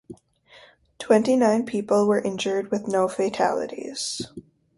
Twenty-nine people were injured with no fatalities.